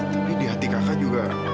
tapi di hati kakak juga